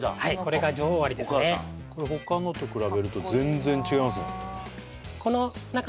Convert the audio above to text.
それだお母さんこれ他のと比べると全然違いますね